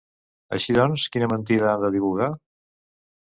Així doncs, quina mentida han de divulgar?